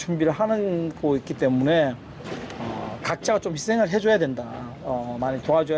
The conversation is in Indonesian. untuk media hai hai